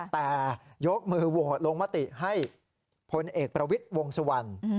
แต่ยกมือโหวตลงมติให้พลเอกประวิทย์วงสุวรรณ